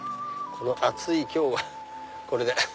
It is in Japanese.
暑い今日はこれで。